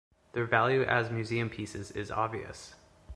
Their value as museum pieces is obvious.